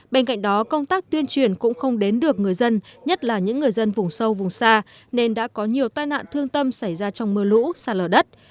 bên cạnh đó công tác tuyên truyền cũng không đến được người dân nhất là những người dân vùng sâu vùng xa nên đã có nhiều tai nạn thương tâm xảy ra trong mưa lũ sạt lở đất